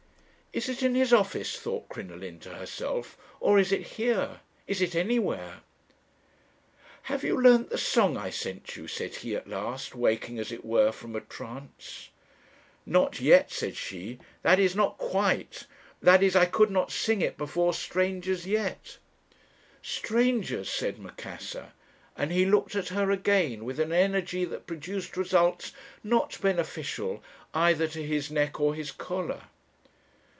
"'Is it in his office?' thought Crinoline to herself; 'or is it here? Is it anywhere?' "'Have you learnt the song I sent you? said he at last, waking, as it were, from a trance. "'Not yet,' said she 'that is, not quite; that is, I could not sing it before strangers yet.' "'Strangers!' said Macassar; and he looked at her again with an energy that produced results not beneficial either to his neck or his collar.